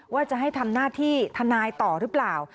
ว่าจะให้ทำหน้าที่ทนายต่อหรือเปล่า